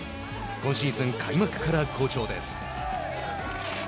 今シーズン開幕から好調です。